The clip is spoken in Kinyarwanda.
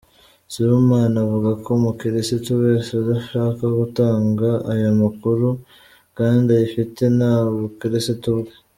Sibomana avuga ko umukirisitu wese udashaka gutanga ayo makuru kandi ayafite nta bukirisitu bwe.